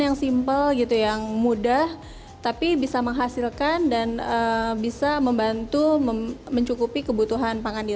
yang simple gitu yang mudah tapi bisa menghasilkan dan bisa membantu mencukupi kebutuhan pangan